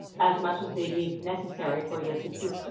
as much as they deemed necessary for their subsistence.